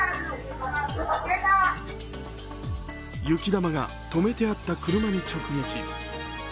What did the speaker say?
雪玉が止めてあった車に直撃。